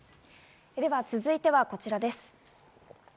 続いてはこちらです。